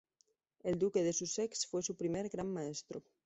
El duque de Sussex fue su primer Gran Maestro.